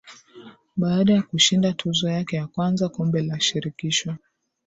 Baada ya kushinda tuzo yake ya kwanza Kombe la shirikisho